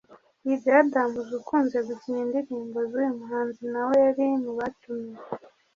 Dj Adams ukunze gukina indirimbo z'uyu muhanzi nawe yari mubatumiwe